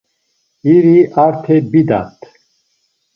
İri arte bidat.